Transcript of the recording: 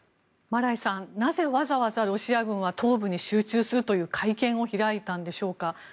マライさん、なぜわざわざロシア軍は東部に集中するという会見を開いたんでしょうか？